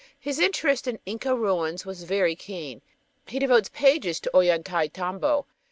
His interest in Inca ruins was very keen. He devotes pages to Ollantaytambo.